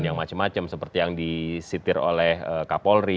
yang macam macam seperti yang disitir oleh kapolri